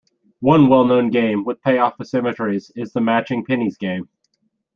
One well-known game with payoff asymmetries is the matching pennies game.